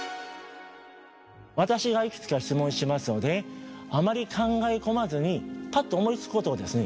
私がいくつか質問しますのであまり考え込まずにパッと思いつくことをですね